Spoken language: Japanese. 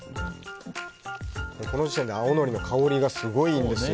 この時点で青のりの香りがすごいんですよ。